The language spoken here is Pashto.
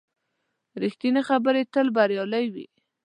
ریښتینې خبرې تل بریالۍ وي.